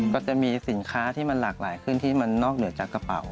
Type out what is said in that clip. ก็จะมีสินค้าที่มันหลากหลายขึ้นที่มันนอกเหนือจากกระเป๋า